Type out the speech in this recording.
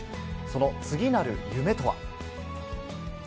その次なる夢とは。